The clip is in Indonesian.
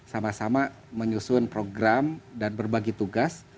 sama sama menyusun program dan berbagi tugas